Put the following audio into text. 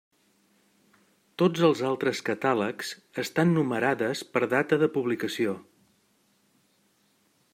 Tots els altres catàlegs estan numerades per data de publicació.